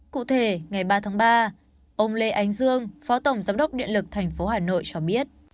cụ thể ngày ba tháng ba ông lê ánh dương phó tổng giám đốc điện lực tp hà nội cho biết